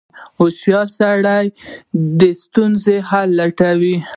• هوښیار سړی د ستونزو حل لټوي.